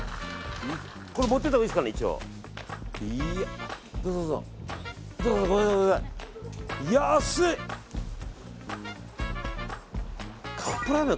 これ持ってたほうがいいですかね。